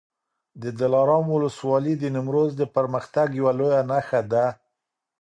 د دلارام ولسوالي د نیمروز د پرمختګ یوه لویه نښه ده.